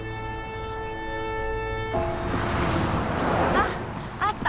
あっあった。